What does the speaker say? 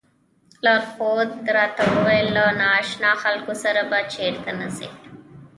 لارښود راته وویل له نا اشنا خلکو سره به چېرته نه ځئ.